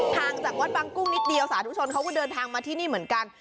ทางจากวัดบางกุ้งนิดเดียวสาธุชนเขาก็เดินทางมาที่นี่เหมือนกัน